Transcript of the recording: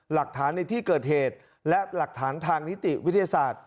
หลักฐานในที่เกิดเหตุและหลักฐานทางนิติวิทยาศาสตร์